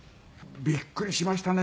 びっくりしましたね。